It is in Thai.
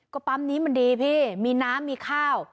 ก็ปั๊มนี้มันดีพี่มีน้ำมีข้าว